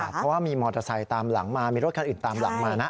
เพราะว่ามีมอเตอร์ไซค์ตามหลังมามีรถคันอื่นตามหลังมานะ